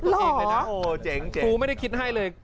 นั่นไงค่ะกรุงใจเฟย์